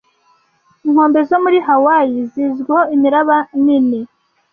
Inkombe zo muri Hawaii zizwiho imiraba nini.